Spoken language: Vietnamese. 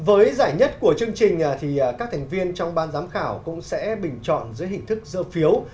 ở chương trình thì các thành viên trong ban giám khảo cũng sẽ bình chọn dưới hình thức dơ phiếu